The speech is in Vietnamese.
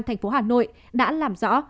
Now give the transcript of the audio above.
thành phố hà nội đã làm rõ